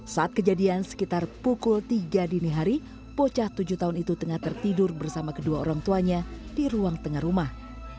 saat kejadian sekitar pukul tiga dini hari bocah tujuh tahun itu tengah tertidur bersama kedua orang tuanya di ruang tengah rumah